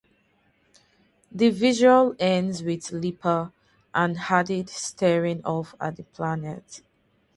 The visual ends with Lipa and Hadid starring off at the planet.